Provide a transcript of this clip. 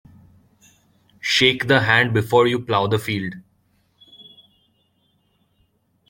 Shake the hand before you plough the field.